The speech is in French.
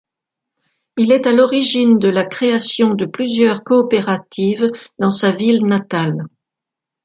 Il est à l'origine de la création de plusieurs coopératives dans sa ville natale.